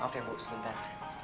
maaf ya bu sebentar